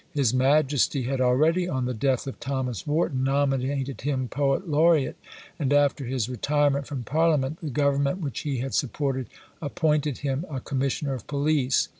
His Majesty had already, on the death of Thomas Warton, nominated him Poet Laureat, and after his retirement from Parliament, the government which he had supported, appointed him a Commissioner of Police.